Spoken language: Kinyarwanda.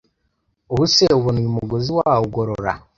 ubuse ubona uyu mugozi wa wugorora